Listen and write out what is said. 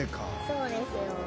そうですよ。